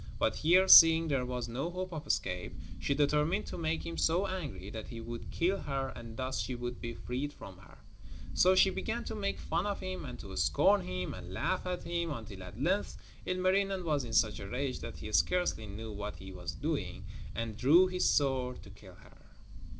But here, seeing there was no hope of escape, she determined to make him so angry that he would kill her and thus she would be freed from him. So she began to make fun of him and to scorn him and laugh at him, until at length Ilmarinen was in such a rage that he scarcely knew what he was doing, and drew his sword to kill her.